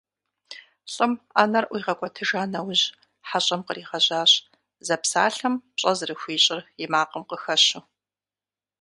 Лӏым Ӏэнэр ӀуигъэкӀуэтыжа нэужь хьэщӏэм къригъэжьащ, зэпсалъэм пщӀэ зэрыхуищӀыр и макъым къыхэщу.